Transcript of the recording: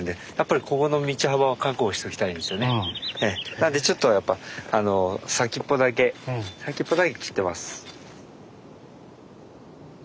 なんでちょっとやっぱ先っぽだけ先っぽだけ切ってます。